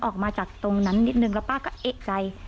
ออกมาจากตรงนั้นนิดนึงแล้วป้าก็เอกใจ